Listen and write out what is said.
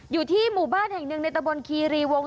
อยู่ที่หมู่บ้านแห่งหนึ่งในตะบนคีรีวง